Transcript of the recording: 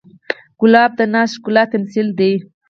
ګلاب د ناز ښکلا تمثیل دی.